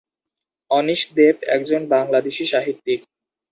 অনীশ দেব একজন বাঙালি সাহিত্যিক।